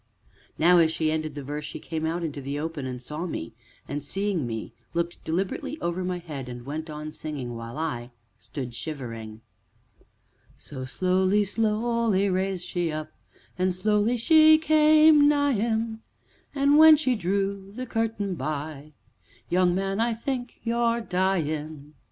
'" Now, as she ended the verse, she came out into the open, and saw me, and, seeing me, looked deliberately over my head, and went on singing, while I stood shivering: "'So, slowly, slowly rase she up And slowly she came nigh him, And when she drew the curtain by "Young man, I think you're dyin'!"'"